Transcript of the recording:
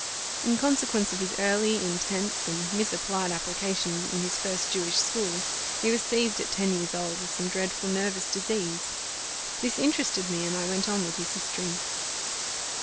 In consequence of his early, intense, and misapplied application in his first Jewish school, he was seized at ten years old with some dreadful nervous disease; this interested me, and I went on with his history.